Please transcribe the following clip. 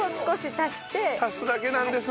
足すだけなんです。